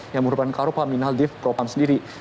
yang merupakan karupa minal dev propam sendiri